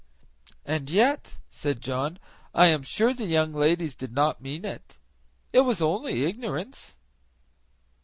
"And yet," said John, "I am sure the young ladies did not mean it; it was only ignorance."